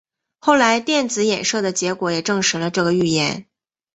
后来电子衍射的结果也证实了这个预言。